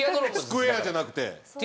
スクエアじゃなくて。